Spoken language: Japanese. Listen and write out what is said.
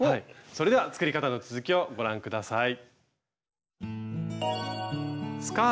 それでは作り方の続きをご覧下さい。